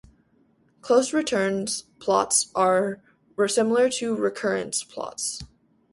Close returns plots are similar to recurrence plots.